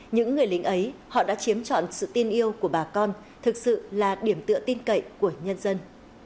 những người lính ấy họ đã chiếm chọn sự tin yêu của bà con thực sự là điểm tựa tin cậy của nhân dân